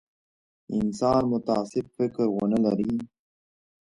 انسان متعصب فکر ونه لري.